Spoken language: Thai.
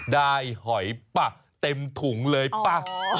ได้หอยปะเต็มถุงเลยปะ